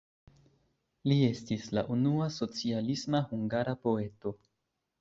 Li estis la unua socialisma hungara poeto.